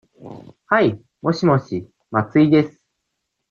はい、もしもし、松井です。